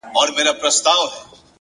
د کتاب د پاڼو رپېدل د باد کوچنی اثر دی.!